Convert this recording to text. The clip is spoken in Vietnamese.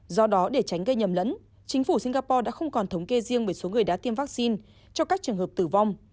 do đó để tránh gây nhầm lẫn chính phủ singapore đã không còn thống kê riêng về số người đã tiêm vaccine cho các trường hợp tử vong